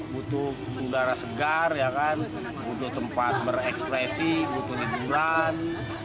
butuh udara segar butuh tempat berekspresi butuh liburan